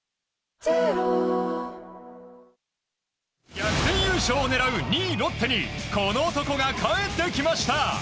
逆転優勝を狙う２位、ロッテにこの男が帰ってきました。